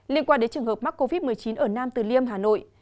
liên quan đến trường hợp mắc covid một mươi chín ở nam từ liêm hà nội